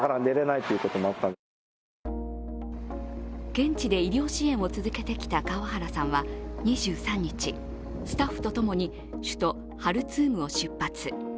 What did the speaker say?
現地で医療支援を続けてきた川原さんは２３日、スタッフとともに首都ハルツームを出発。